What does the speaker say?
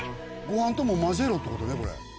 ご飯とも混ぜろって事ねこれ。